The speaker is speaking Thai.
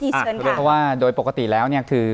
เพราะว่าโดยปกติแล้วเนี่ยคือ